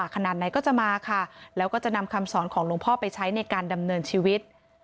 ขนาดไหนก็จะมาค่ะแล้วก็จะนำคำสอนของหลวงพ่อไปใช้ในการดำเนินชีวิต